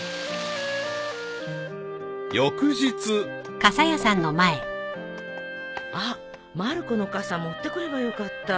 ［翌日］あっまる子の傘持ってくればよかった。